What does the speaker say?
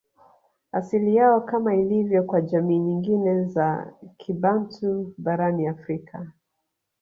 Asili yao Kama ilivyo kwa jamii nyingine za Kibantu barani Afrika